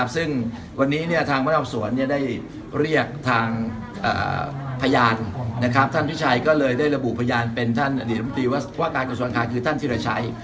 ซึ่งวันนี้ทางบ้านอบสวนได้เรียกทางพยานท่านพิชัยก็เลยได้ระบุพยานเป็นท่านอดีตมตรีว่าการเกี่ยวกับส่วนค้าคือท่านธิรชัย